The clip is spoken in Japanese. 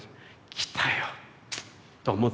「きたよ」と思って。